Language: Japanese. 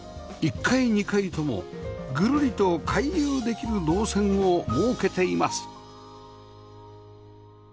１階２階ともぐるりと回遊できる動線を設けています